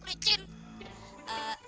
rasanya tuh lecin